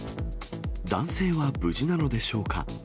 男性は無事なのでしょうか。